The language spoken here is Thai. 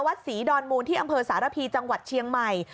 ศรีดอนมูลที่อำเภอสารพีจังหวัดเชียงใหม่